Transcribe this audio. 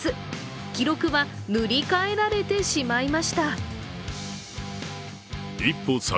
記録は塗り替えられてしまいました。